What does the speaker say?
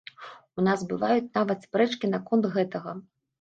У нас бываюць нават спрэчкі наконт гэтага.